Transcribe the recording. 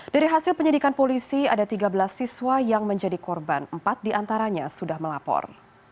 dari hasil penyidikan polisi ada tiga belas siswa yang menjadi korban empat diantaranya sudah melapor